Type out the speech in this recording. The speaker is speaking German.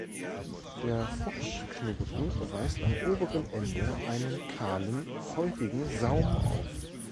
Der Fruchtknoten weist am oberen Ende einen kahlen, häutigen Saum auf.